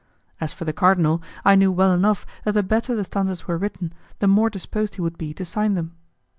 As for the cardinal, I knew well enough that the better the stanzas were written, the more disposed he would be to sign them.